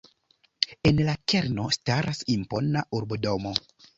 En la kerno staras impona urbodomo.